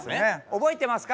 覚えてますか？